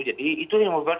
jadi itu yang membuat